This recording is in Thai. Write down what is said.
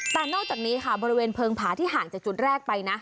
แต่นอกจากนี้ค่ะบริเวณเพลิงผาที่ห่างจากจุดแรกไปนะ